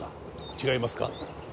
違いますか？